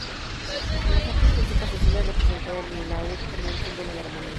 En las artes plásticas se suele representar el laúd como un símbolo de armonía.